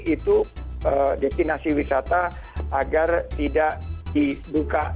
itu destinasi wisata agar tidak dibuka